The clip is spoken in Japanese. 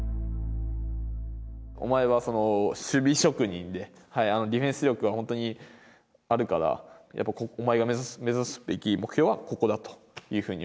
お前はその守備職人でディフェンス力は本当にあるからやっぱお前が目指すべき目標はここだというふうに言われて。